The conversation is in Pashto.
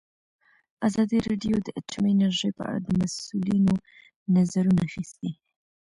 ازادي راډیو د اټومي انرژي په اړه د مسؤلینو نظرونه اخیستي.